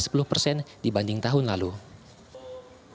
pembelajaran dari lesti lesti dan lesti